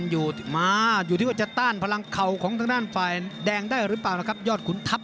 อยู่มาอยู่ที่ว่าจะต้านพลังเข่าของทางด้านฝ่ายแดงได้หรือเปล่านะครับยอดขุนทัพ